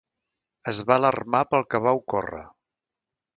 Es va alarmar pel que va ocórrer.